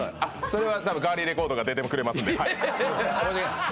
それは多分、ガーリィレコードが出てくれますんで。